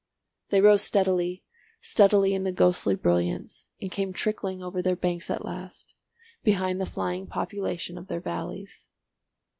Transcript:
They rose steadily, steadily in the ghostly brilliance, and came trickling over their banks at last, behind the flying population of their valleys.